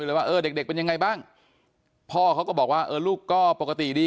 เลยว่าเด็กเป็นยังไงบ้างพ่อเขาก็บอกว่าลูกก็ปกติดี